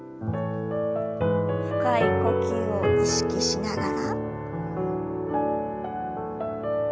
深い呼吸を意識しながら。